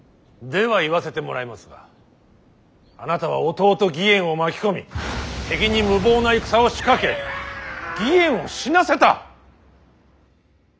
では言わせてもらいますがあなたは弟義円を巻き込み敵に無謀な戦を仕掛け義円を死なせた！